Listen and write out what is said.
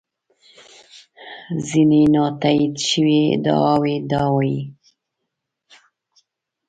ځینې نا تایید شوې ادعاوې دا وایي.